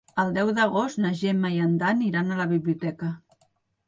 El deu d'agost na Gemma i en Dan iran a la biblioteca.